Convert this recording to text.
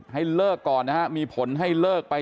ให้เลิกก่อนนะฮะมีผลให้เลิกไป